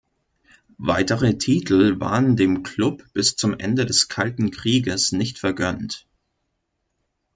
Weitere Titel waren dem Klub bis zum Ende des Kalten Krieges nicht vergönnt.